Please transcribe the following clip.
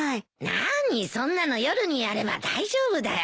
なあにそんなの夜にやれば大丈夫だよ。